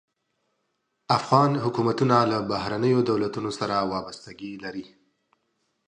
افغان حکومتونه له بهرنیو دولتونو سره وابستګي لري.